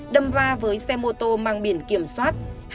đâm va với xe mô tô mang biển kiểm soát